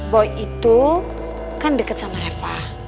boy itu kan deket sama reva